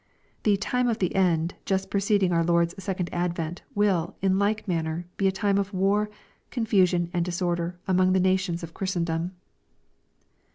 The " time of the end" just preceding our Lord's second advent, will, in like manner, be a time of war, confusion and disorder among the nations of Chris tendom.